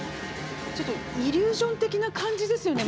ちょっとイリュージョン的な感じですよね